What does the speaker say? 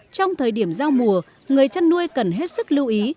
trong thời điểm giao mùa người chăn nuôi cần hết sức lưu ý